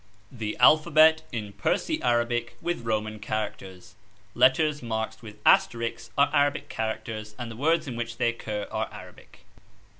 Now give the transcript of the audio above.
THE ALPHABET IN PERSI ARABTC WITH ROMAN CHARACTERS. Letters marked with * are Arabic characters, and the words in which they occur are Arabic.